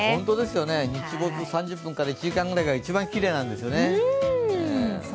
日没３０分から１時間ぐらいが一番きれいなんですよね。